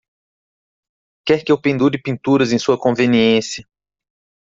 Quer que eu pendure pinturas em sua conveniência.